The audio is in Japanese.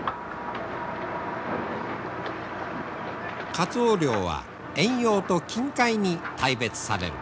カツオ漁は遠洋と近海に大別される。